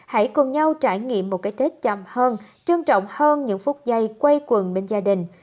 hãy cùng nhau trải nghiệm một cái tết chầm hơn trân trọng hơn những phút giây quay quần bên gia đình